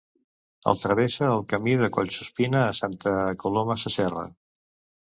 El travessa el Camí de Collsuspina a Santa Coloma Sasserra.